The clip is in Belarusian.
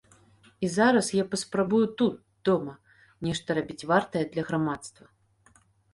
І зараз я паспрабую тут, дома, нешта рабіць вартае для грамадства.